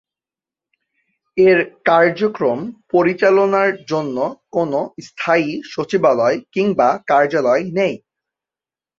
এর কার্যক্রম পরিচালনার জন্য কোন স্থায়ী সচিবালয় কিংবা কার্যালয় নেই।